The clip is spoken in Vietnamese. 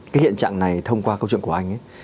cái hiện trạng này thông qua câu chuyện của anh ấy